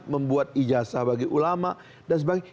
membuat ijazah bagi ulama dan sebagainya